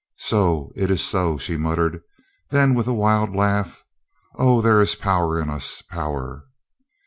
"So. It is so," she muttered. Then with a wild Laugh: "Oh, there is power in us — power!"